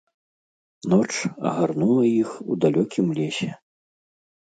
Ноч агарнула іх у далёкім лесе.